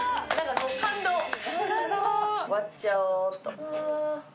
割っちゃおうっと。